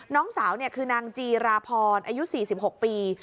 น้องสาวคือนางจีราพรอายุ๔๖ปี